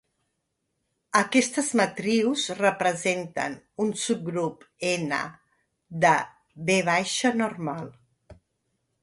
Aquestes matrius representen un subgrup "N" de "V" normal.